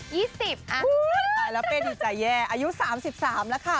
ยี่สิบอะ๑๙๗๘อะเว้ยอายุสามสิบสามแล้วค่ะ